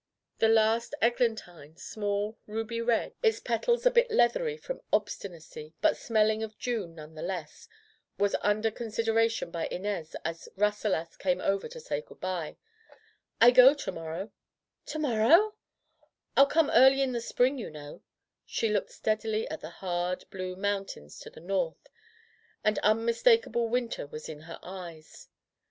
The last eglantine, small, ruby red, its petals [191 ] Digitized by LjOOQ IC Interventions a bit leathery from obstinacy, but smelling of June none the less, was under considera tion by Inez as Rasselas came over to say good by. "I go to morrow/' "To morrow ?'* "I'll come early in the spring, you know/' She looked steadily at the hard blue moun tains to the north, and unmistakable winter was in her eyes.